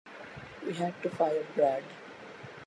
We had to fire Brad.